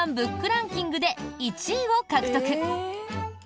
ランキングで１位を獲得。